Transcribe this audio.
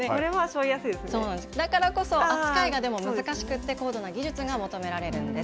だからこそ扱いが難しくって、高度な技術が求められるんです。